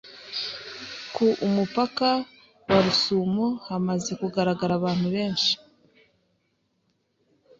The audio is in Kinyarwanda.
ku umupaka wa Rusumo hamaze kugaragara abantu besnhi